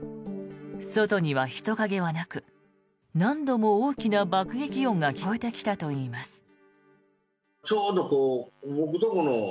外には人影はなく何度も大きな爆撃音が聞こえてきたといいます。